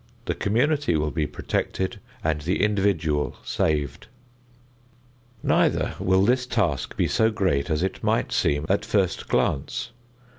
The community will be protected and the individual saved. Neither will this task be so great as it might seem at first glance.